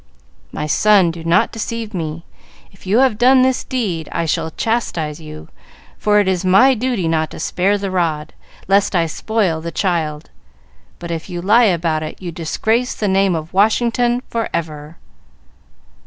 "My son, do not deceive me. If you have done this deed I shall chastise you, for it is my duty not to spare the rod, lest I spoil the child. But if you lie about it you disgrace the name of Washington forever."